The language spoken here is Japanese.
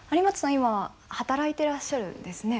今働いていらっしゃるんですね。